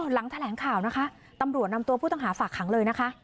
หลังแถลงข่าวนะคะตำรวจนำตัวผู้ต้องหาฝากขังเลยนะคะ